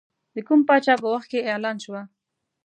د کوم پاچا په وخت کې اعلان شوه.